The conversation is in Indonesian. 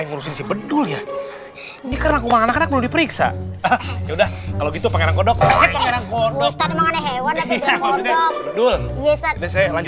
gugup gitu itu apa namanya itu